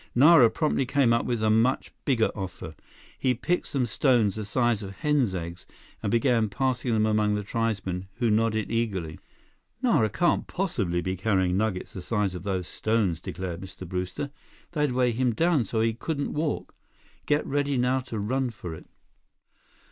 Nara promptly came up with a much bigger offer. He picked some stones the size of hen's eggs and began passing them among the tribesmen, who nodded eagerly. "Nara can't possibly be carrying nuggets the size of those stones," declared Mr. Brewster. "They'd weigh him down so he couldn't walk. Get ready now to run for it."